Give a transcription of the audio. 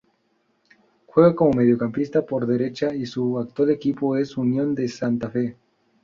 Juega como mediocampista por derecha y su actual equipo es Unión de Santa Fe.